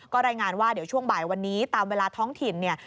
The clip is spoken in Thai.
ก็รายงานว่าเดี๋ยวช่วงบ่ายวันนี้ตามเวลาท้องถิ่นเนี่ย